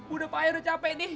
udah pahit udah capek nih